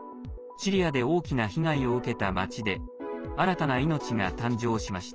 シリアで大きな被害を受けた町で新たな命が誕生しました。